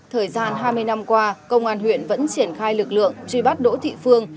thời gian hai mươi năm qua công an huyện vẫn triển khai lực lượng truy bắt đỗ thị phương